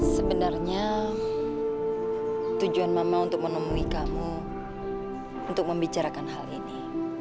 sebenarnya tujuan mama untuk menemui kamu untuk membicarakan hal ini